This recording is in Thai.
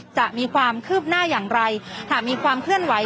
จะมีความคืบหน้าอย่างไรหากมีความเคลื่อนไหว